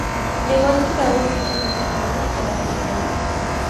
Llegó a Chicago siete meses antes de las acciones.